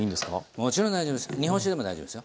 もちろん大丈夫です。